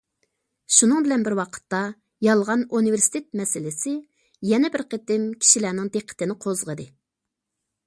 شۇنىڭ بىلەن بىر ۋاقىتتا، يالغان ئۇنىۋېرسىتېت مەسىلىسى يەنە بىر قېتىم كىشىلەرنىڭ دىققىتىنى قوزغىدى.